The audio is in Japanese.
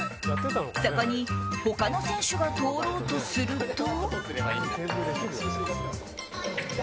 そこに他の選手が通ろうとすると。